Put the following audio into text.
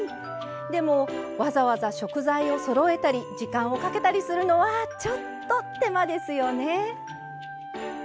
でも、わざわざ食材をそろえたり時間をかけたりするのはちょっと手間ですよね。